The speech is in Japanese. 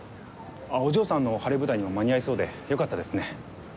お嬢さんの晴れ舞台にも間に合いそうでよかったですね。